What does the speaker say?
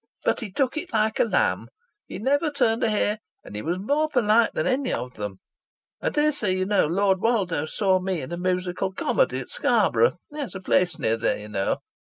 But he took it like a lamb. He never turned a hair, and he was more polite than any of them. I daresay you know Lord Woldo saw me in a musical comedy at Scarborough he has a place near there, ye know.